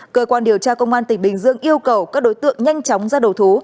cơ quan điều tra công an tỉnh bình dương yêu cầu các đối tượng nhanh chóng ra đầu thú